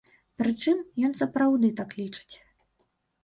Прычым, ён сапраўды так лічыць.